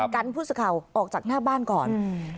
กันผู้สื่อข่าวออกจากหน้าบ้านก่อน